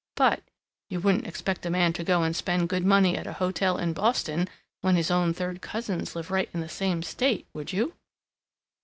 But "you wouldn't expect a man to go and spend good money at a hotel in Boston, when his own third cousins live right in the same state, would you?"